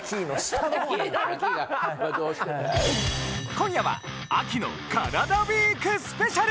今夜は秋のスペシャル！